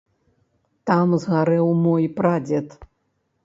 Там згарэў мой прадзед.